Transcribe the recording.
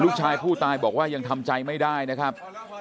ก็บอกว่ายังทำใจไม่ได้นะครับ